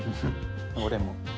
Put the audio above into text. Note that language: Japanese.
俺も。